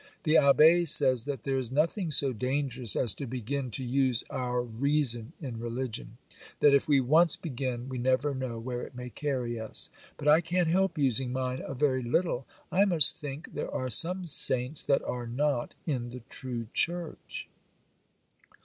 The Abbé says that there is nothing so dangerous as to begin to use our reason in religion,—that if we once begin we never know where it may carry us; but I can't help using mine a very little. I must think there are some saints that are not in the true Church.